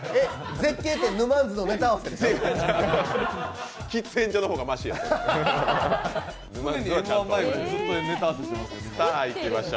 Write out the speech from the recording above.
絶景って、沼津のネタ合わせでしょ？